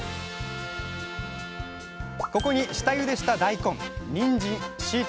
ここに下ゆでした大根にんじんしいたけ